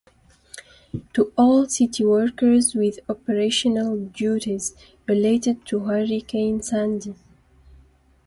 To all City workers with operational duties related to Hurricane Sandy: